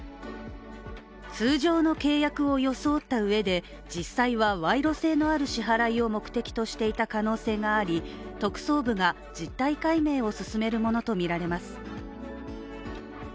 通常の契約を装ったうえで実際は賄賂性のある支払いを目的としていた可能性があり、特捜部が実態解明を進めるものとみられます。